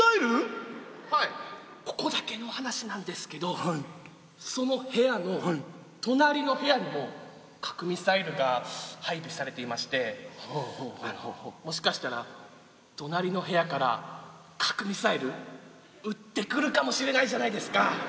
はい、ここだけの話なんですけど、その部屋の隣の部屋にも核ミサイルが配備されていまして、もしかしたら、隣の部屋から核ミサイル、撃ってくるかもしれないじゃないですか。